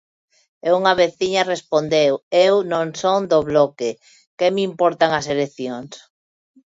E unha veciña respondeu: Eu non son do Bloque, que me importan as eleccións?